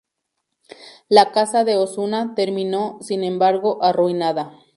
La casa de Osuna terminó, sin embargo, arruinada.